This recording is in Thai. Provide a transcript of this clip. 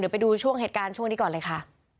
ไปดูช่วงเหตุการณ์ช่วงนี้ก่อนเลยค่ะ